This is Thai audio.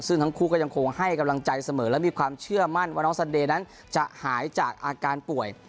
ซึ่งทั้งคู่ก็ยังคงให้กำลังใจเสมอและมีความเชื่อมั่นว่าน้องสันเดย์นั้นจะหายจากอาการป่วย